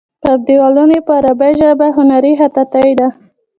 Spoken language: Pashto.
پر دیوالونو یې په عربي ژبه هنري خطاطي ده.